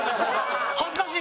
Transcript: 恥ずかしい！